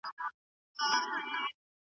اوس دي وخت دئ د خدایي را رسېدلی .